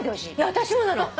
私もなの！